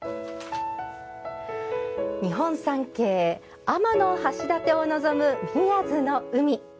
日本三景、天橋立を望む宮津の海。